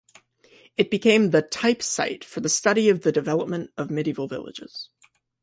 It became the "type site for the study of the development of medieval villages".